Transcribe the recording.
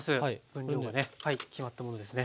分量がね決まったものですね。